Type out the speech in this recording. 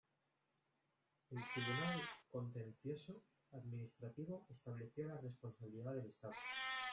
El Tribunal Contencioso Administrativo estableció la responsabilidad del Estado.